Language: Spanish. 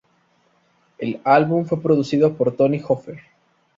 El álbum fue producido por Tony Hoffer.